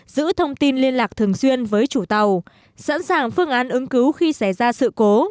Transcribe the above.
giữ thông tin liên lạc thường xuyên với chủ tàu sẵn sàng phương án ứng cứu khi xảy ra sự cố